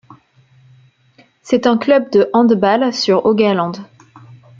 C'est un club de handball sur Haugaland.